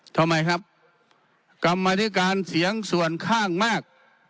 ทำไมครับกรรมธิการเสียงส่วนข้างมาก